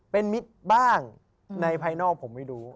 เป็นมิตรบ้างในภายนอกผมไม่รู้